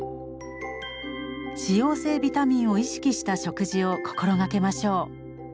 脂溶性ビタミンを意識した食事を心掛けましょう。